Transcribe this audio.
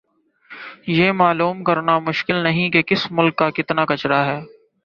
یہ معلوم کرنا مشکل نہیں کہ کس ملک کا کتنا کچرا ھے